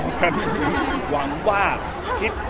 คิดกันอยู่ว่าอาจจะเป็นปีหน้าก็อาจจะเริ่มมีแฟน